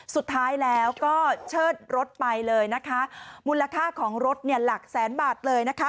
สุดท้ายแล้วก็เชิดรถไปเลยนะคะมูลค่าของรถเนี่ยหลักแสนบาทเลยนะคะ